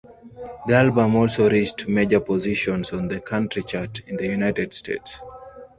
The album also reached major positions on the country chart in the United States.